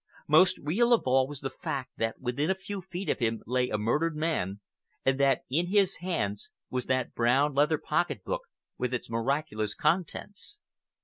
Most real of all was the fact that within a few feet of him lay a murdered man, and that in his hands was that brown leather pocket book with its miraculous contents.